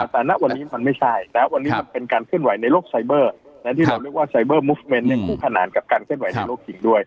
ภาษณะวันนี้มันไม่ใช่แล้ววันนี้มันเป็นการขึ้นไหวในโลกไซเบอร์และที่เราเรียกว่าไซเบอร์มูฟเมนต์เนี่ยคู่ขนาดกับการขึ้นไหวในโลกหิ่งด้วย